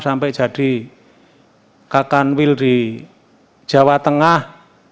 sampai jadi kakan wil di jawa tengah